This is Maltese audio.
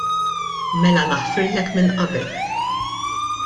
Mela naħfirlek minn qabel.